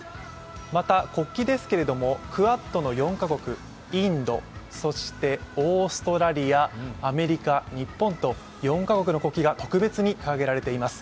また、国旗ですけれども、クアッドの４カ国インド、そしてオーストラリアアメリカ、日本と４カ国の国旗が特別に掲げられています。